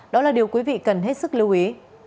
đó là điều quý vị cần hết sức lưu ý